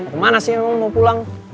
ke mana sih lu mau pulang